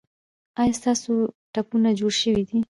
ایا ستاسو ټپونه جوړ شوي دي؟